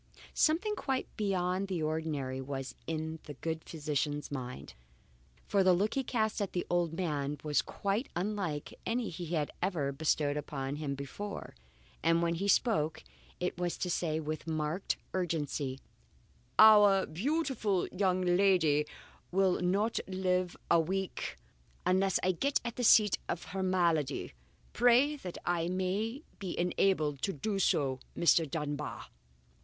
Something quite beyond the ordinary was in the good physician's mind, for the look he cast at the old man was quite unlike any he had ever bestowed upon him before, and when he spoke it was to say with marked urgency: "Our beautiful young lady will not live a week unless I get at the seat of her malady. Pray that I may be enabled to do so, Mr. Dunbar."